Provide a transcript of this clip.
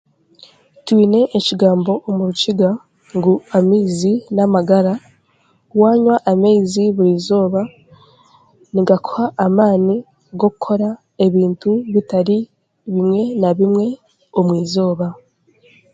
"Twine ekigambo omu Rukiga ngu ""amaizi n'amagara"" wanywa amaizi buri eizooba nigakuha amaani g'okukora ebintu bitari bimwe na bimwe omu izooba "